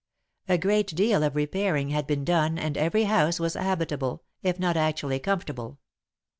A great deal of repairing had been done and every house was habitable, if not actually comfortable.